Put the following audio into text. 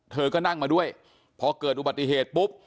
เธอก็นั่งมาด้วยพอเกิดอุบัติเหตุปุ๊บ